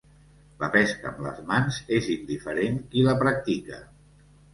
La pesca amb les mans és indiferent qui la practica.